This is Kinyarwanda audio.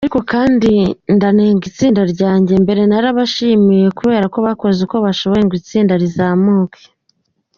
Ariko kandi ndanenga itsinda ryanjye, mbere nabashimiye ko bakoze ibyo ashoboye ngo itsinda rizamuke.